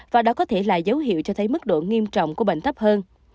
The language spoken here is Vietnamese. và đó có thể là dấu hiệu cho thấy mức độ nghiêm trọng của bệnh thấp hơn